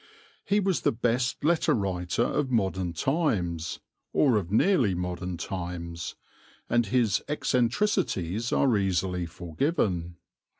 He was the best letter writer of modern times, or of nearly modern times, and his eccentricities are easily forgiven.